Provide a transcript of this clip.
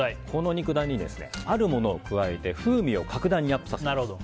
この肉ダネにあるものを加えて風味を格段にアップさせます。